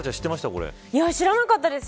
知らなかったです。